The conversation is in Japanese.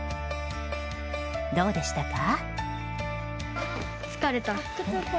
どうでしたか？